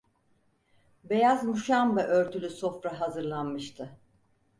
Beyaz muşamba örtülü sofra hazırlanmıştı.